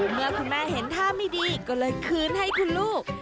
เมื่อคุณแม่เห็นท่าไม่ดีก็เลยคืนให้คุณลูก